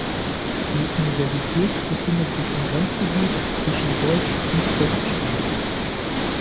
Die Universität befindet sich im Grenzgebiet zwischen Deutsch- und Westschweiz.